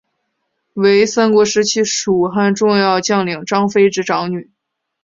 为三国时期蜀汉重要将领张飞之长女。